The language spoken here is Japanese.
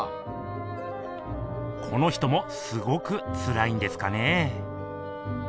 この人もすごくつらいんですかね。